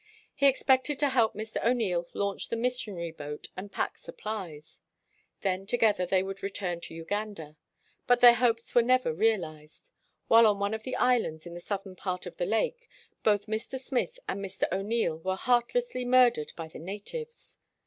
He expected to help Mr. O 'Neill launch the mis sionary boat and pack supplies. Then to gether they would return to Uganda. But their hopes were never realized. While on one of the islands in the southern part of the lake, both Mr. Smith and Mr. O'Neill were heartlessly murdered by the natives.